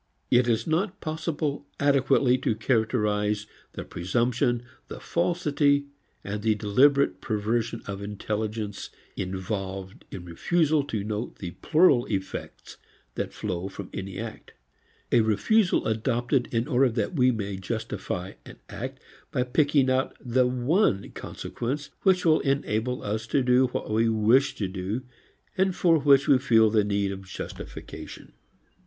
It is not possible adequately to characterize the presumption, the falsity and the deliberate perversion of intelligence involved in refusal to note the plural effects that flow from any act, a refusal adopted in order that we may justify an act by picking out that one consequence which will enable us to do what we wish to do and for which we feel the need of justification.